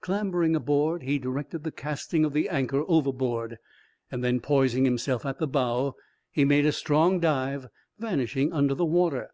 Clambering aboard, he directed the casting of the anchor overboard. Then, poising himself at the bow, he made a strong dive, vanishing under the water.